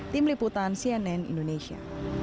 tim liputan cnn indonesia